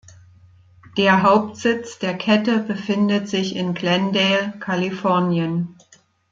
Der Hauptsitz der Kette befindet sich in Glendale, Kalifornien.